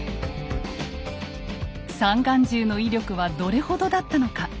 三眼銃の威力はどれほどだったのか。